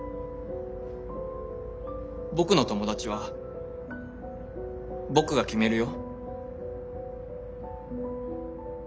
僕の友達は僕が決めるよ。